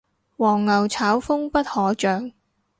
黃牛炒風不可長